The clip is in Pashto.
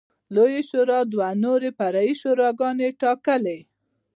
لویې شورا دوه نورې فرعي شوراګانې ټاکلې.